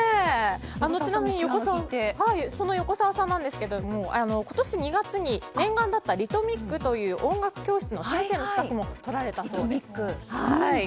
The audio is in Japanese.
ちなみに横澤さんは今年２月に念願だったリトミックという音楽教室の先生の資格も取られたそうです。